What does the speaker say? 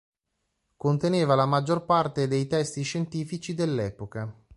Conteneva la maggior parte dei testi scientifici dell'epoca.